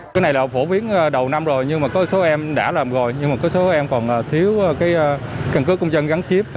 cái này là phổ biến đầu năm rồi nhưng mà có số em đã làm rồi nhưng mà có số em còn thiếu cái căn cước công dân gắn chip